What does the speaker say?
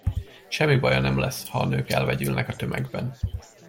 Semmi baja nem lesz, ha a nők elvegyülnek a tömegben.